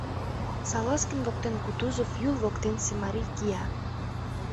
Салазкин воктен Кутузов, Юл воктенсе марий, кия.